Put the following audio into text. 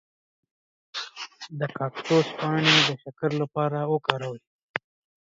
د کاکتوس پاڼې د شکر لپاره وکاروئ